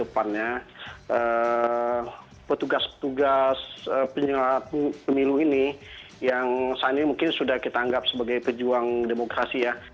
petugas petugas penyelamat pemilu ini yang saat ini mungkin sudah kita anggap sebagai pejuang demokrasi ya